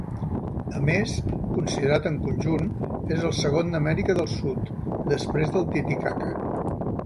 A més, considerat en conjunt, és el segon d'Amèrica del Sud, després del Titicaca.